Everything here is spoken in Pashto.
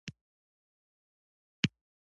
خټکی اوبه لري، خو ډېر خوږه ده.